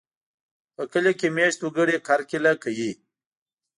په کلي کې مېشت وګړي کرکېله کوي.